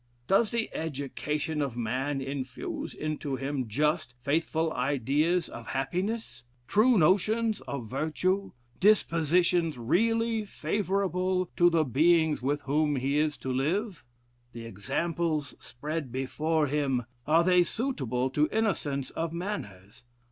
Does the education of man infuse into him just, faithful ideas of happiness true notions of virtue dispositions really favorable to the beings with whom he is to live? The examples spread before him, are they suitable to innocence of manners?